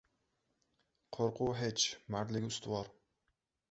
• Qo‘rquv — hech, mardlik — ustuvor.